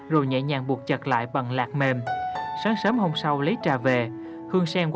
tham gia công tác tử thiện